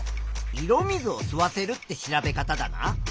色水を吸わせるって調べ方だな。